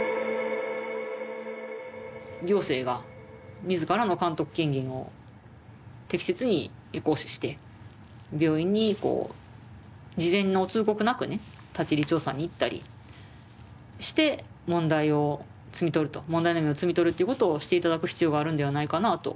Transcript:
行政が自らの監督権限を適切に行使して病院にこう事前の通告なくね立ち入り調査に行ったりして問題を摘み取ると問題の芽を摘み取るということをして頂く必要があるんではないかなあと。